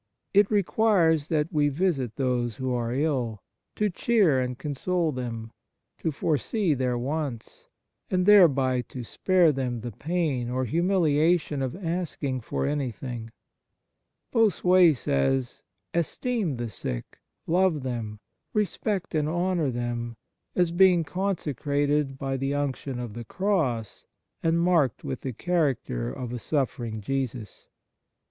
It requires that we visit those who are ill, to cheer and console them, to foresee their wants, and thereby to spare them the pain or humiliation of asking for anything. Bossuet says :" Esteem the sick, love them, respect and honour them, as being consecrated by the unction of the Cross and marked with the character of a suffering Jesus."